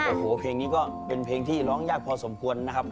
โอ้โหเพลงนี้ก็เป็นเพลงที่ร้องยากพอสมควรนะครับ